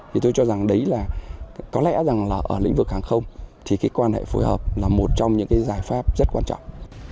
thì tôi cho rằng đấy là có lẽ rằng là ở lĩnh vực hàng không thì cái quan hệ phối hợp là một trong những cái giải pháp rất quan trọng